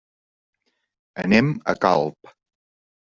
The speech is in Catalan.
Anem a Calp.